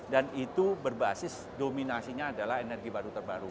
dan itu berbasis dominasinya adalah energi baru terbarukan